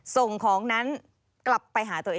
ส่งของนั้นกลับไปหาตัวเอง